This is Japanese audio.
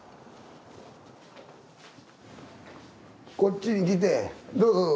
こっちに来てどうぞどうぞ。